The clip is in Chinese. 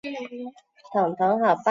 毕业于河北省馆陶县滩上中学。